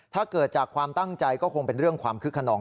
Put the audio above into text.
ถ้าเกิดจากความตั้งใจก็คงเป็นเรื่องความคึกขนอง